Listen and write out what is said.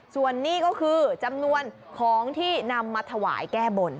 ส่วนนี้ก็คือจำนวนของที่นำมาถวายแก้บน